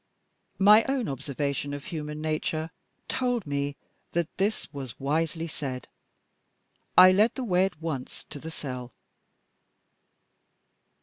My own observation of human nature told me that this was wisely said. I led the way at once to the cell.